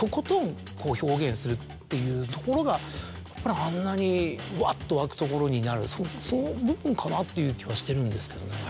っていうところがやっぱりあんなにワッと沸くところになるその部分かなっていう気はしてるんですけどね。